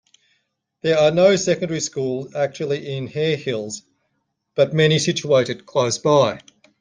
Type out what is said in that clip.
There are no secondary schools actually in Harehills but many situated close by.